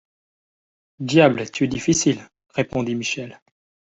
Diable! tu es difficile ! répondit Michel.